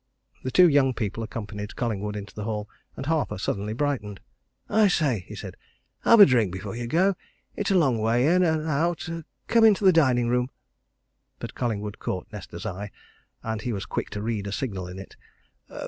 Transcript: The two young people accompanied Collingwood into the hall. And Harper suddenly brightened. "I say!" he said. "Have a drink before you go. It's a long way in and out. Come into the dining room." But Collingwood caught Nesta's eye, and he was quick to read a signal in it.